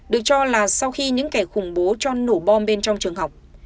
được cho là sau khi những kẻ khủng bố cho nổ bom bên trong trường học